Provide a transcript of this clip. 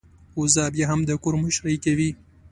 وزه بيا هم د کور مشرۍ کوي.